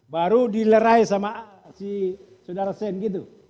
baru dilerai sama si saudara sen gitu